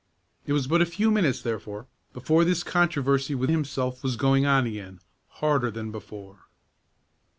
It was but a few minutes, therefore, before this controversy with himself was going on again, harder than before.